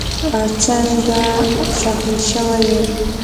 څنګه زخمي شوی یې؟